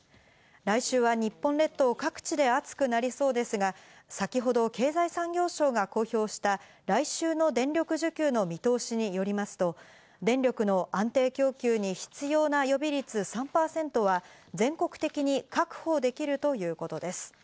来週は日本列島各地で暑くなりそうですが、先ほど経済産業省が公表した来週の電力需給の見通しによりますと、電力の安定供給に必要な予備率３％は全国的に確保できるということです。